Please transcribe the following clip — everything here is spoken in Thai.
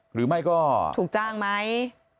หรือไม่ก็ถูกจ้างไหม